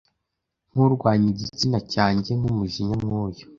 Nkurwanya igitsina cyanjye nkumujinya nkuyu